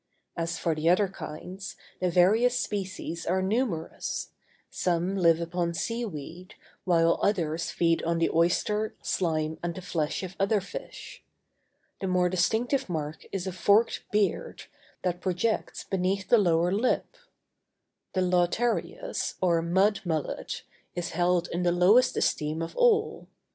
As for the other kinds, the various species are numerous; some live upon sea weed, while others feed on the oyster, slime, and the flesh of other fish. The more distinctive mark is a forked beard, that projects beneath the lower lip. The lautarius, or mud mullet, is held in the lowest esteem of all.